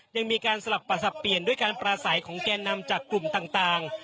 ยังมีการสลับประสับเปลี่ยนด้วยการปราศัยของแก่นำจากกลุ่มต่าง